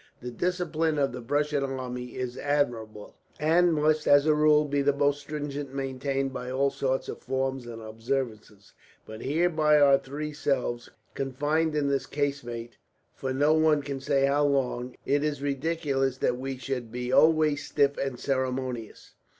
The discipline of the Prussian army is admirable, and must, as a rule, be most stringently maintained by all sorts of forms and observances; but here by our three selves, confined in this casemate for no one can say how long, it is ridiculous that we should be always stiff and ceremonious.